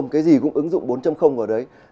bốn cái gì cũng ứng dụng bốn vào đấy